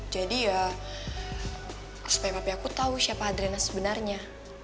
jadi ya supaya papi aku tau siapa adriana sebenarnya